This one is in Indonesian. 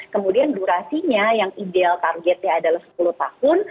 kemudian durasinya yang ideal targetnya adalah sepuluh tahun